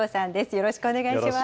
よろしくお願いします。